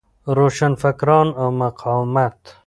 روشنفکران او مقاومت